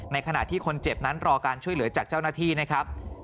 ขณะที่คนเจ็บนั้นรอการช่วยเหลือจากเจ้าหน้าที่นะครับ